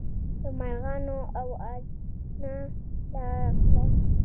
د مارغانو اوازونه راغلل.